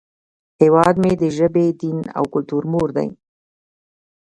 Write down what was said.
هیواد مې د ژبې، دین، او کلتور مور دی